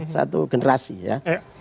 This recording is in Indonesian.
satu generasi ya